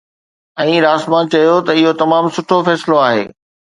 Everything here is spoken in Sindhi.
۽ راسما چيو ته اهو تمام سٺو فيصلو آهي.